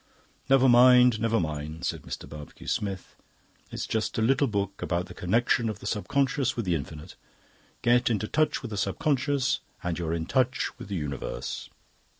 "Never mind, never mind," said Mr. Barbecue Smith. "It's just a little book about the connection of the Subconscious with the Infinite. Get into touch with the Subconscious and you are in touch with the Universe.